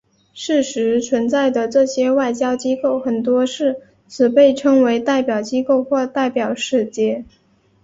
事实存在的这些外交机构很多是只被称为代表机构或代表使节。